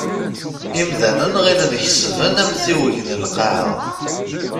Imdanen ɣillen kesben amtiweg n Lqaεa.